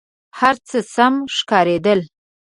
هر څه سم ښکارېدل.